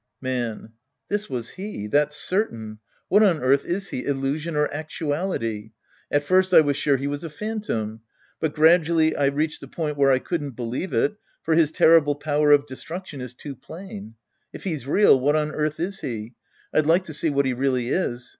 Man. This was he. That's certain. What on earth is he, illusion or actuality? At first I was sure he was a phantom. But gradually I reached the point where I couldn't believe it, for his terrible power of destruction is too plain. If he's real, what on earth is he ? I'd like to see what he really is.